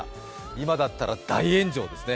今だったら大炎上ですね。